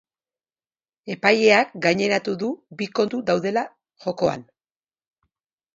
Epaileak gaineratu du bi kontu daudela jokoan.